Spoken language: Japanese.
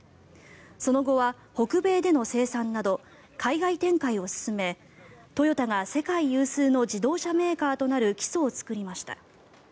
その後は北米での生産など海外展開を進めトヨタが世界有数の自動車メーカーとなる基礎を作りました。